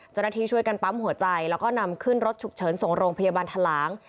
เจ้าหน้าที่ช่วยกันปั๊มหัวใจแล้วก็นำขึ้นรถฉุกเฉินส่งโรงพยาบาลทะลาง